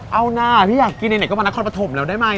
เอานะที่อยากกินเค้ามานานคอนประธมแล้วได้ไหมอ่ะ